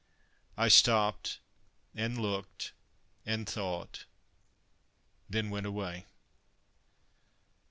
I stopped, and looked, and thought then went away.